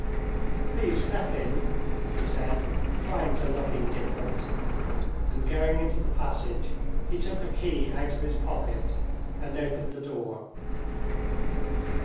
"Please step in," he said, trying to look indifferent, and going into the passage he took a key out of his pocket and opened the door.